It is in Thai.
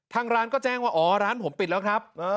ทางร้านก็แจ้งว่าอ๋อร้านผมปิดแล้วครับ